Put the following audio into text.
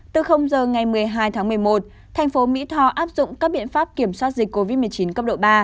từ giờ ngày một mươi hai tháng một mươi một thành phố mỹ tho áp dụng các biện pháp kiểm soát dịch covid một mươi chín cấp độ ba